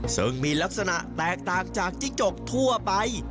ซึ่งมีลักษณะแตกต่างจากจิ้งจกทั่วไป